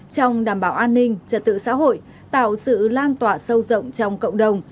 trong đảm bảo an ninh trật tự xã hội tạo sự lan tỏa sâu rộng trong cộng đồng